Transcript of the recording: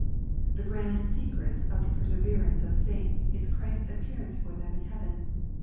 The grand secret of the perseverance of saints is Christ's appearance for them in heaven.